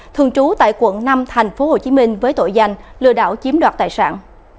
thường trú tại quận năm thành phố hồ chí minh với tội danh lừa đảo chiếm đoạt tài sản